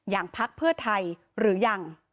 อย่างภักดิ์เพื่อไทยหรือยัง